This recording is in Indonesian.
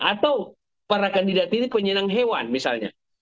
atau para kandidat ini penyenang hewan misalnya